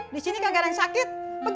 disini gak ada yang sakit